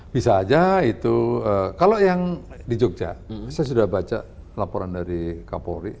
bisa aja itu kalau yang di jogja saya sudah baca laporan dari kapolri